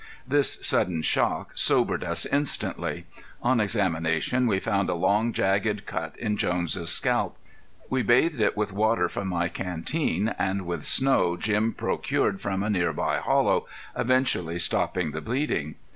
This sudden shock sobered us instantly. On examination we found a long, jagged cut in Jones' scalp. We bathed it with water from my canteen and with snow Jim procured from a nearby hollow, eventually stopping the bleeding.